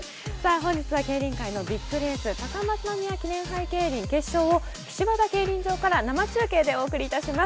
本日は競輪界のビッグレース高松宮記念杯競輪決勝を岸和田競輪場から生中継でお送りします。